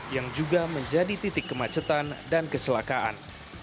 yang juga menjadi titik kemacetan dan kecelakaan